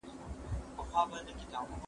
زه به سبا د سوالونو جواب ورکوم!